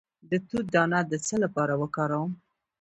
د توت دانه د څه لپاره وکاروم؟